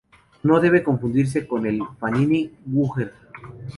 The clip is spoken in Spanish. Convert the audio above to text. No debe confundirse con el Fanini-Wührer.